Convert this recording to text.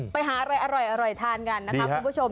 ไปหาอะไรอร่อยทานกันนะคะคุณผู้ชม